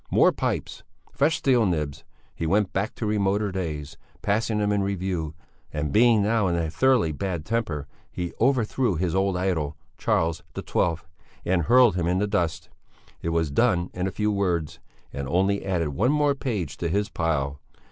More pipes! Fresh steel nibs! He went back to remoter days, passing them in review, and being now in a thoroughly bad temper, he overthrew his old idol, Charles XII, and hurled him in the dust; it was done in a few words, and only added one more page to his pile.